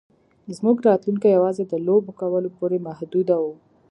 زموږ راتلونکی یوازې د لوبو کولو پورې محدود و